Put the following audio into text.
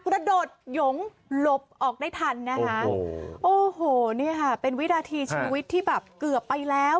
กระโดดหยงหลบออกได้ทันนะคะโอ้โหเนี่ยค่ะเป็นวินาทีชีวิตที่แบบเกือบไปแล้ว